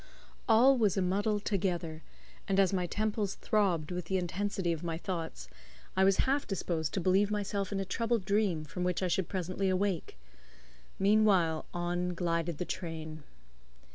All was a muddle together, and as my temples throbbed with the intensity of my thoughts, I was half disposed to believe myself in a troubled dream from which I should presently awake. Meanwhile, on glided the train.